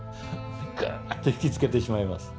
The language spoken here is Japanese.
グーッと引きつけてしまいます